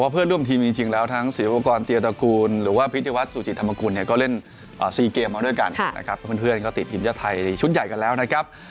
เพื่อนร่วมทีมจริงแล้วทั้งเสียอุปกรณ์เตียตระกูลหรือว่าพิธีวัฒสุจิตธรรมกุลเนี่ยก็เล่น๔เกมมาด้วยกันนะครับเพราะเพื่อนก็ติดทีมชาติไทยชุดใหญ่กันแล้วนะครับ